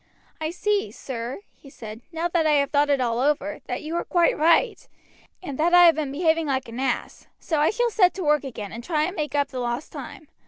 "I see, sir," he said, "now that I have thought it all over, that you are quite right, and that I have been behaving like an ass, so I shall set to work again and try and make up the lost time.